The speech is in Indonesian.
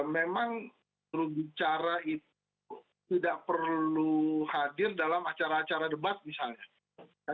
memang jurubicara itu tidak perlu hadir dalam acara acara debat misalnya